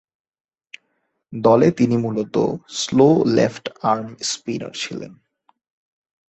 দলে তিনি মূলতঃ স্লো লেফট আর্ম স্পিনার ছিলেন।